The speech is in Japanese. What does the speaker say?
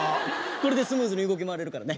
これでスムーズに動き回れるからね。